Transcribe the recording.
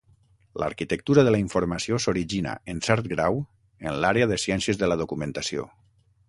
L’arquitectura de la informació s’origina, en cert grau, en l’àrea de ciències de la documentació.